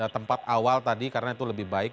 tempat awal tadi karena itu lebih baik